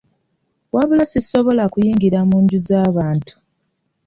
Wabula sisobola kuyingira mu nju za bantu.